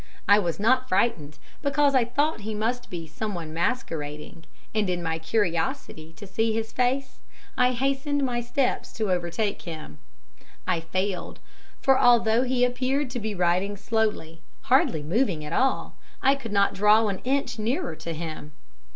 I was not frightened, because I thought he must be someone masquerading; and, in my curiosity to see his face, I hastened my steps to overtake him. I failed; for although he appeared to be riding slowly, hardly moving at all, I could not draw an inch nearer to him.